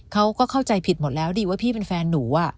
เข้าใจผิดหมดแล้วดีว่าพี่เป็นแฟนหนู